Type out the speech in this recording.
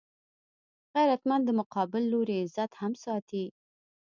غیرتمند د مقابل لوري عزت هم ساتي